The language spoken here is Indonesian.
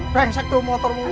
brengsek tuh motor mulu